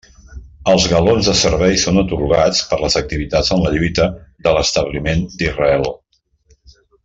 Els galons de servei són atorgats per les activitats en la lluita de l'establiment d'Israel.